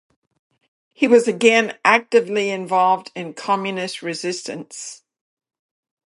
He was again actively involved in communist resistance.